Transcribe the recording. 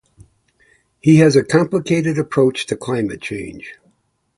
He has a complicated approach to climate change.